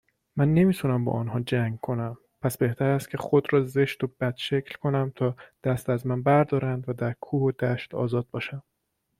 من نمیتوانم با انها جنگ کنم پس بهتر است که خود را زشت و بد شکل کنم تا دست از من بر دارند و در کوه و دشت ازاد باشم